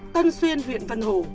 tân xuyên huyện vân hổ